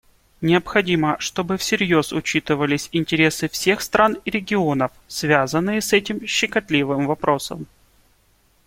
Необходимо, чтобы всерьез учитывались интересы всех стран и регионов, связанные с этим щекотливым вопросом.